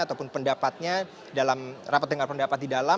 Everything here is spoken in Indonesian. ataupun pendapatnya dalam rapat dengar pendapat di dalam